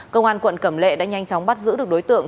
công an quận cẩm lệ đã nhanh chóng bắt giữ được đối tượng